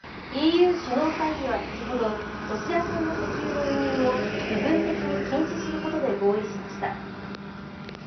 ＥＵ首脳会議は先ほどロシア産の石油の輸入を部分的に禁止することで合意しました。